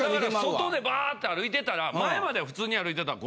外でバーッて歩いてたら前までは普通に歩いてたら。